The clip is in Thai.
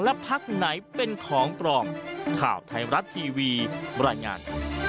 และพักไหนเป็นของปลอมข่าวไทยรัฐทีวีบรรยายงาน